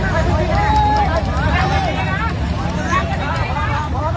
อันนี้ก็มันถูกประโยชน์ก่อน